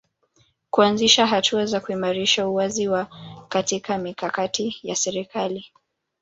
Kuanzisha hatua za kuimarisha uwazi wa katika mikakati ya serikali